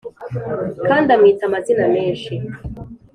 kandi amwita amazina menshi